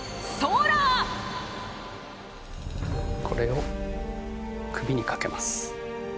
これを首にかけます。